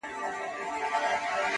روانه سرگردانه را روانه سرگردانه-